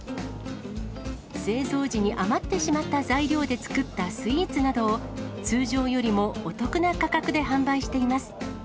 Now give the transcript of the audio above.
製造時に余ってしまった材料で作ったスイーツなどを、通常よりもお得な価格で販売しています。